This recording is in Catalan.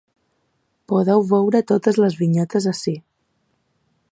Podeu veure totes les vinyetes ací.